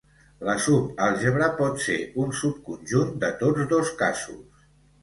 La subàlgebra pot ser un subconjunt de tots dos casos.